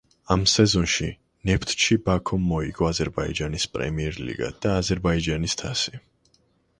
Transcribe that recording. ამ სეზონში ნეფთჩი ბაქომ მოიგო აზერბაიჯანის პრემიერ ლიგა და აზერბაიჯანის თასი.